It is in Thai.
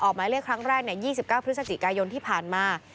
หมายเรียกครั้งแรก๒๙พฤศจิกายนที่ผ่านมา